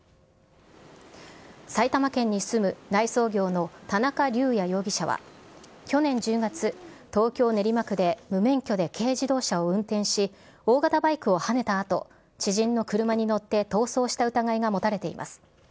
埼玉県に住む内装業の田中龍也容疑者は去年１０月、東京・練馬区で無免許で軽自動車を運転し、大型バイクをはねたあと、知人の車に乗って逃走した疑いが持たれています。